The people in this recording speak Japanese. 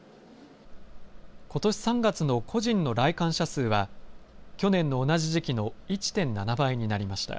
ことし３月の個人の来館者数は、去年の同じ時期の１．７倍になりました。